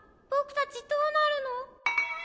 たちどうなるの？